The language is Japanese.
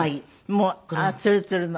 もうツルツルの。